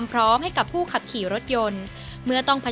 วันนี้ขอบคุณพี่อมนต์มากเลยนะครับ